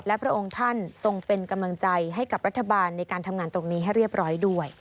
และพระองค์ท่านทรงเป็นกำลังใจให้กับรัฐบาลในการทำงานตรงนี้ให้เรียบร้อยด้วย